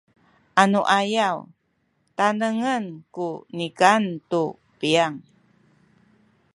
anuayaw tanengen ku nikan tu piyang